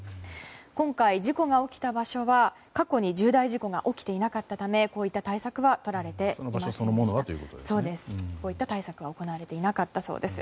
今回事故が起きた場所は過去に重大事故が起きていなかったためこういった対策は行われていなかったそうです。